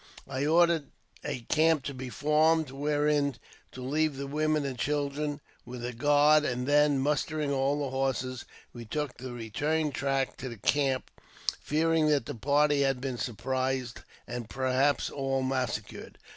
I ordered a camp to be formed wherein to leave the women and children, with a guard, and then, mustering all the horses, we took the return track to the camp, fearing that the party had been surprised and perhaps all massacred.